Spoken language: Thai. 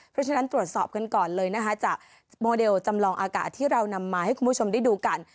เพราะฉะนั้นตรวจสอบกันก่อนเลยนะคะจากโมเดลจำลองอากาศที่เรานำมาให้คุณผู้ชมได้ดูกัน